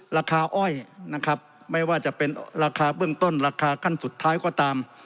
อ้อยนะครับไม่ว่าจะเป็นราคาเบื้องต้นราคาขั้นสุดท้ายก็ตาม